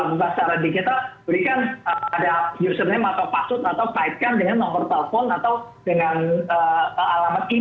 sehingga orang hanya mengetahui data kependudukan mix dan maha